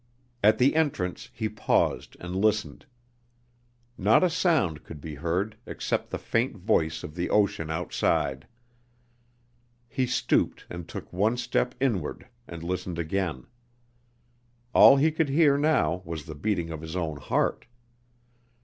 At the entrance he paused and listened. Not a sound could be heard except the faint voice of the ocean outside. He stooped and took one step inward, and listened again. All he could hear now was the beating of his own heart.